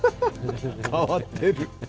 変わってる。